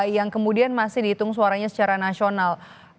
yang kemudian masih dihitung suaranya secara nasional